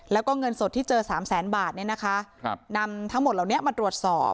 แล้วก็เงินสดที่เจอสามแสนบาทเนี่ยนะคะนำทั้งหมดเหล่านี้มาตรวจสอบ